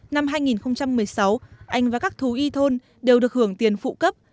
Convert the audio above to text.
năm hai nghìn một mươi sáu anh và các thú y thôn đều được hưởng tiền phụ cấp